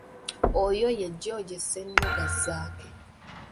Oyo ye George Ssennoga Zaake.